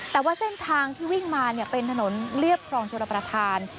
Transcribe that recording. แต่ว่าเส้นทางที่วิ่งมาเป็นถนนเรียบครองชลประธาน